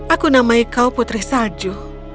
aku namai kau putri salju